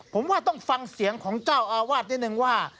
ผมว่าต้องฟังเสียงของเจ้าอาวาสนิดนึงว่า